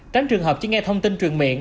tránh trường hợp chỉ nghe thông tin truyền miệng